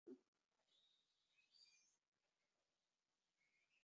তোমরা এটা মিস করতে চাইবে না।